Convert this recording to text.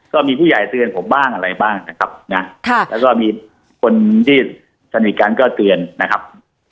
ก็มีผู้ใหญ่เตือนผมบ้างอะไรบ้างนะครับนะแล้วก็มีคนที่สนิทกันก็เตือนนะครับ